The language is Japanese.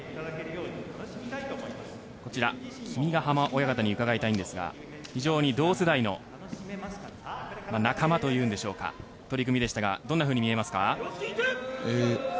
君ヶ濱親方に伺いたいんですが非常に同世代の仲間というんでしょうか取組でしたがどんなふうに見えますか？